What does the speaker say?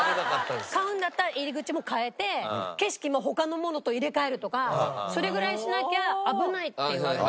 買うんだったら入り口も変えて景色も他のものと入れ替えるとかそれぐらいしなきゃ危ないって言われて。